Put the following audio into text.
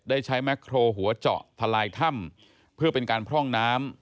ได้ใช้แม็กโครหัวเจาะทะลายถ้ำเพื่อเป็นการพร่องน้ำ